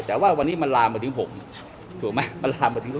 แต่ว่าวันนี้มันลามมาถึงผมถูกไหมมันลามมาถึง